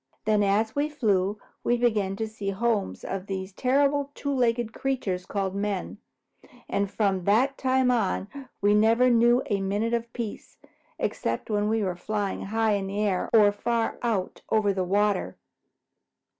Then as we flew, we began to see the homes of these terrible two legged creatures called men, and from that time on we never knew a minute of peace, excepting when we were flying high in the air or far out over the water.